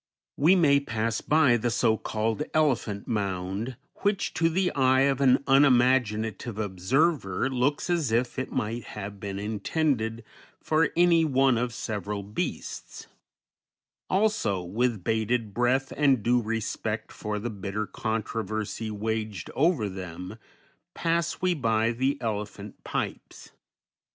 _ We may pass by the so called "Elephant Mound," which to the eye of an unimaginative observer looks as if it might have been intended for any one of several beasts; also, with bated breath and due respect for the bitter controversy waged over them, pass we by the elephant pipes.